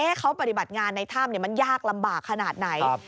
เขาปฏิบัติงานในถ้ำมันยากลำบากขนาดไหน